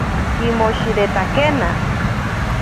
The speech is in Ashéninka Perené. Kimoshiretakena.